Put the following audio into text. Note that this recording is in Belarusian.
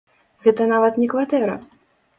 Гэта нават не кватэра.